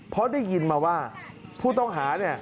เพราะได้ยินมาว่าผู้ต้องหาเนี่ย